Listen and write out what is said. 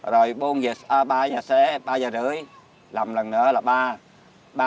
rồi ba h rưỡi làm lần nữa là ba h